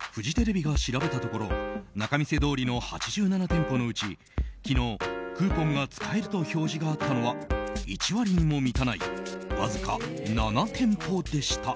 フジテレビが調べたところ仲見世通りの８７店舗のうち昨日、クーポンが使えると表示があったのは１割にも満たないわずか７店舗でした。